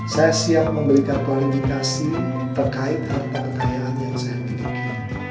saya siap memberikan kualifikasi terkait harta kekayaan yang saya miliki